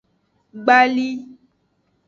Gbali.